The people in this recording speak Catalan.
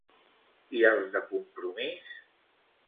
I als de Compromís?